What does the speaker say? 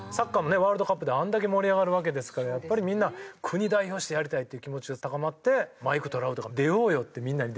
ワールドカップであれだけ盛り上がるわけですからみんな国を代表してやりたいっていう気持ちが高まってマイク・トラウトが「出ようよ」ってみんなに電話をしたっていう。